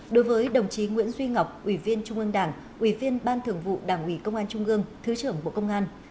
đối với đồng chí nguyễn duy ngọc ủy viên trung ương đảng ủy viên ban thường vụ đảng ủy công an trung ương thứ trưởng bộ công an